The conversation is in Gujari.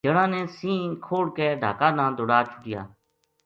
جنا نے سَینہ کھوڑ کے ڈھاکا نا دوڑا چھوڈیا